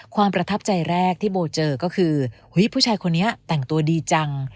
ประทับใจแรกที่โบเจอก็คือผู้ชายคนนี้แต่งตัวดีจัง